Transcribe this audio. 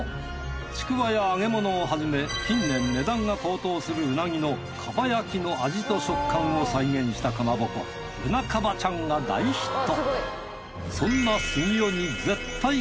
竹輪や揚げ物をはじめ近年値段が高騰するうなぎの蒲焼きの味と食感を再現したかまぼこうな蒲ちゃんが大ヒット。